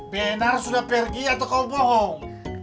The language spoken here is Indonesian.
benar sudah pergi atau kau bohong